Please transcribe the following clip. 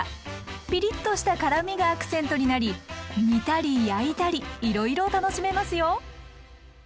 ピリッとした辛みがアクセントになり煮たり焼いたりいろいろ楽しめますよ。